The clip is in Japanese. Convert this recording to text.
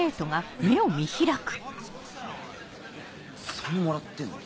そんなもらってんの？